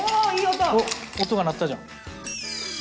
音が鳴ったじゃん。